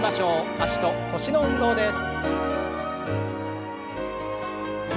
脚と腰の運動です。